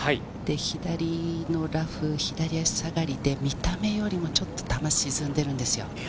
左のラフ、左足下がりで、見た目よりもちょっと球沈んでるんですよ。